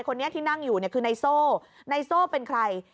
ตอนนี้ที่นั่งอยู่คือในโซ่ในโซ่เป็นใคร